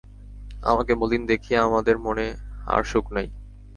আপনাকে মলিন দেখিয়া আমাদের মনে আর সুখ নাই!